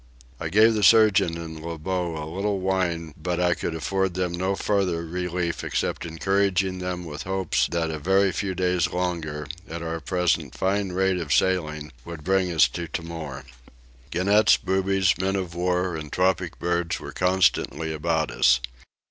I gave the surgeon the Lebogue a little wine but I could afford them no farther relief except encouraging them with hopes that a very few days longer, at our present fine rate of sailing, would bring us to Timor. Gannets, boobies, men of war and tropic birds, were constantly about us.